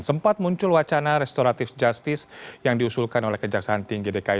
sempat muncul wacana restoratif justice yang diusulkan oleh kejaksaan tinggi dki